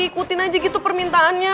ikutin aja gitu permintaannya